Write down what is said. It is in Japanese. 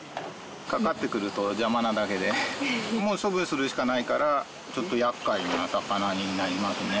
かかってくると邪魔なだけで処分するしかないからちょっと厄介な魚になりますね。